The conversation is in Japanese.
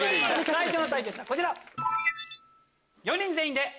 最初の対決はこちら。